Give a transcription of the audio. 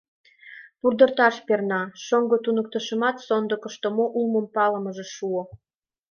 — Пудырташ перна! — шоҥго туныктышымат сондыкышто мо улмым палымыже шуо.